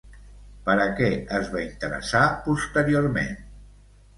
Per a què es va interessar posteriorment?